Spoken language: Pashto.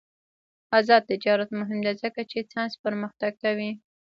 آزاد تجارت مهم دی ځکه چې ساینس پرمختګ کوي.